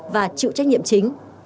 và chịu trách nhiệm chính